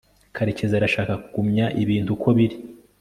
karekezi arashaka kugumya ibintu uko biri